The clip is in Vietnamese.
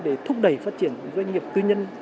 để thúc đẩy phát triển doanh nghiệp cư nhân